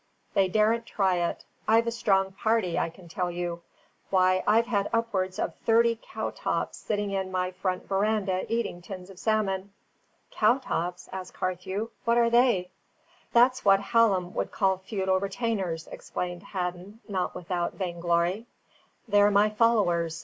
They daren't try it; I've a strong party, I can tell you. Why, I've had upwards of thirty cowtops sitting in my front verandah eating tins of salmon." "Cowtops?" asked Carthew, "what are they?" "That's what Hallam would call feudal retainers," explained Hadden, not without vainglory. "They're My Followers.